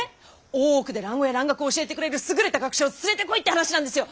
大奥で蘭語や蘭学を教えてくれる優れた学者を連れてこいって話なんですよ！